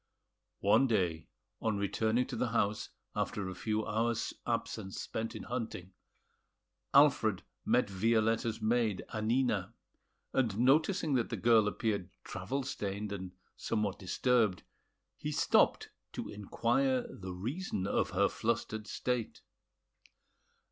One day, on returning to the house after a few hours' absence spent in hunting, Alfred met Violetta's maid, Annina; and noticing that the girl appeared travel stained and somewhat disturbed, he stopped to inquire the reason of her flustered state.